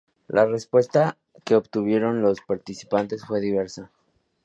La respuesta que obtuvieron los participantes fue diversa.